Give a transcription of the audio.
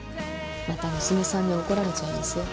また娘さんに怒られちゃいますよ。